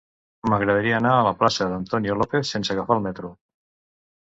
M'agradaria anar a la plaça d'Antonio López sense agafar el metro.